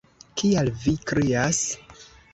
Kial vi krias?